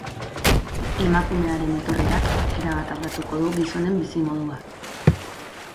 Emakumearen etorrerak erabat aldatuko du gizonen bizimodua.